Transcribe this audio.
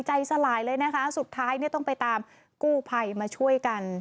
ใจสลายเลยนะคะสุดท้ายเนี่ยต้องไปตามกู้ภัยมาช่วยกัน